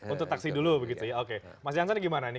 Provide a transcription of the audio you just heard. untuk taksi dulu begitu ya oke mas jansan ini gimana nih